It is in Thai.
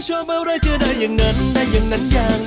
เว้ย